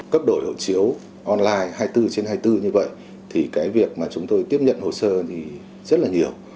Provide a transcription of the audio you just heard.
cấp đổi hộ chiếu online hai mươi bốn trên hai mươi bốn như vậy thì cái việc mà chúng tôi tiếp nhận hồ sơ thì rất là nhiều